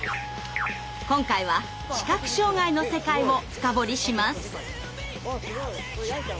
今回は「視覚障害」の世界を深掘りします！